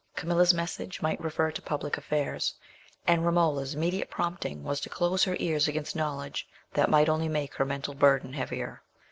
Camilla's message might refer to public affairs, and Romola's immediate prompting was to close her ears against knowledge that might only make her mental burden heavier.